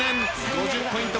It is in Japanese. ５０ポイント